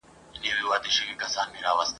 وئيل يې بس تسنيمه ! خوشبويۍ ترې راخوريږي ..